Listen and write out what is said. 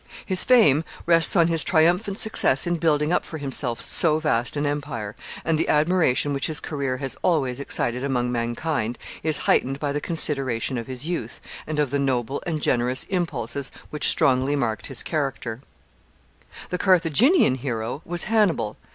His fame rests on his triumphant success in building up for himself so vast an empire, and the admiration which his career has always excited among mankind is heightened by the consideration of his youth, and of the noble and generous impulses which strongly marked his character. [Sidenote: Hannibal.] [Sidenote: His terrible energy.] The Carthaginian hero was Hannibal.